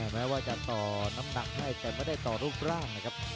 แม้ว่าจะต่อน้ำหนักให้แต่ไม่ได้ต่อรูปร่างนะครับ